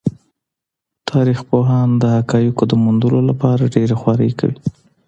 تاریخ پوهان د حقایقو د موندلو لپاره ډېرې خوارۍ کوي.